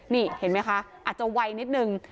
นี่เห็นไหมคะอาจจะไวนิดนึง